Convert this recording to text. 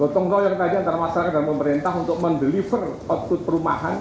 gotong royong tadi antara masyarakat dan pemerintah untuk mendeliver output perumahan